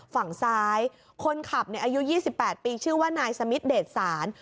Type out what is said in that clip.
ฝั่งซ้ายคนขับอายุ๒๘ปีชื่อว่านายสมิทเดชศาล